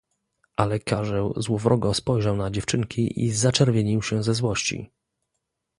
"Ale karzeł złowrogo spojrzał na dziewczynki i zaczerwienił się ze złości."